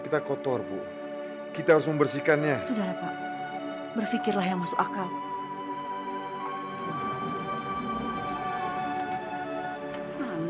itu semua karena perbuatan yang telah kamu lakukan